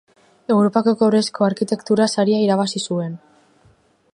Europako Kobrezko Arkitektura Saria irabazi zuen.